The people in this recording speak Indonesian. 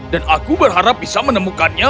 dan aku berharap bisa menemukannya